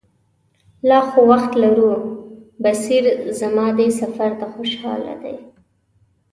لا خو وخت لرو، بصیر زما دې سفر ته خوشاله دی.